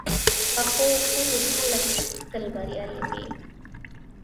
پخو خویو خلک تل بریالي وي